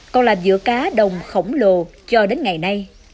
còn là giữa cá đồng khổng lồ cho đến ngày nay